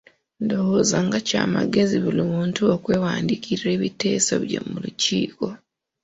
Ndowooza nga kya magezi buli muntu okwewandiikira ebiteeso bye mu lukiiko.